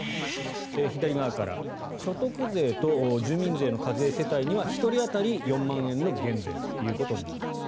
左側から所得税と住民税の課税世帯には１人当たり４万円の減税となります。